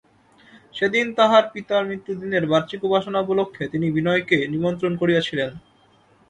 সেদিন তাঁহার পিতার মৃত্যুদিনের বার্ষিক উপাসনা উপলক্ষে তিনি বিনয়কে নিমন্ত্রণ করিয়াছিলেন।